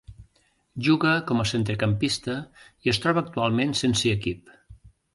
Juga com a centrecampista i es troba actualment sense equip.